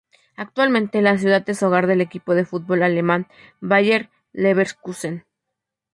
Actualmente la ciudad es hogar del equipo de fútbol alemán Bayer Leverkusen.